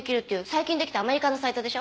最近できたアメリカのサイトでしょ？